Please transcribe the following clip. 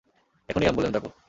এখনই অ্যাম্বুলেন্স ডাকো।